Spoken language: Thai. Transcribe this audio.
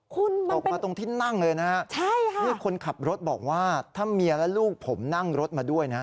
คุณมันเป็นออกมาตรงที่นั่งเลยนะฮะคุณขับรถบอกว่าถ้าเมียและลูกผมนั่งรถมาด้วยนะ